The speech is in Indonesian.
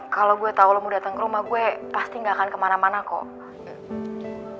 kalau gue tau lo mau datang ke rumah gue pasti gak akan kemana mana kok